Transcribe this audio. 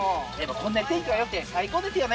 こんなに天気がよくて最高ですよね。